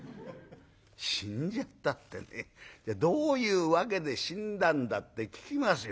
「死んじゃったってねどういう訳で死んだんだって聞きますよ」。